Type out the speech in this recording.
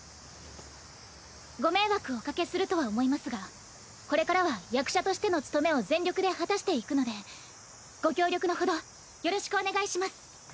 ご迷惑をおかけするとは思いますがこれからは役者としての務めを全力で果たしていくのでご協力のほどよろしくお願いします。